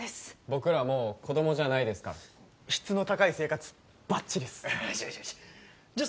僕らもう子供じゃないですから質の高い生活バッチリっすよしよしじゃ